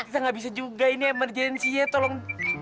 kita gak bisa juga ini emergency ya tolong